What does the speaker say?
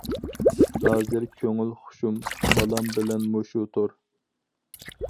ھازىر كۆڭۈل خۇشۇم بالام بىلەن مۇشۇ تور.